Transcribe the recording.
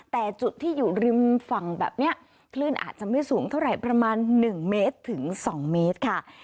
แต่จุดที่อยู่ริมฝั่งแบบนี้คลื่นอาจจะไม่สูงเท่าไหร่ประมาณ๑เมตรถึง๒เมตรค่ะ